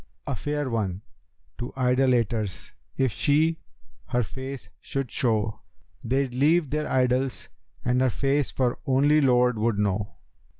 [FN#287], 'A fair one, to idolaters if she her face should show, They'd leave their idols and her face for only Lord would know.